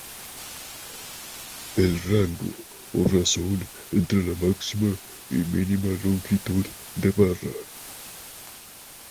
El rango, o razón entre la máxima y mínima longitud de barra.